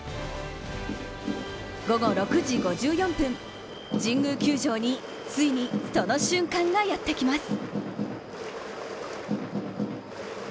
午後６時５４分、神宮球場についにその瞬間がやってきます。